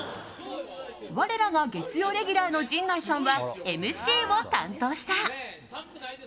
我らが月曜レギュラーの陣内さんはＭＣを担当した。